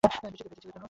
বৃষ্টিতে ভিজেছিলো?